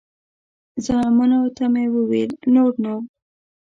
زامنو ته مې وویل نور نو.